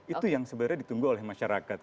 itu yang sebenarnya ditunggu oleh masyarakat